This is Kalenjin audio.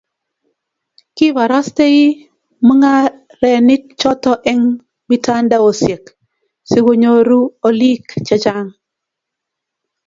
kibarastei mung'arenik choto eng' mitandaosiek , sikunyoru oliik che chang'